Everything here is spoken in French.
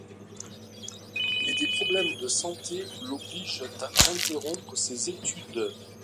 Mais des problèmes de santé l'obligent à interrompre ses études.